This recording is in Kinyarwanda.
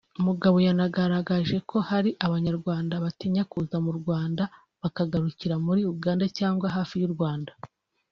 Mugabo yanagaragaje ko hari Abanyarwanda batinya kuza mu Rwanda bakagarukira muri Uganda cyangwa hafi y’u Rwanda